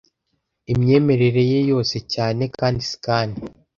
Imyemerere ye yose cyane, kandi scan